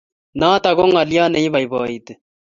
Notok ko ngoliot ne iboiboiti